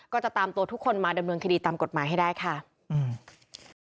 ก็จะตามตัวทุกคนมาดำเนินคดีตามกฎหมายให้ได้ค่ะอืม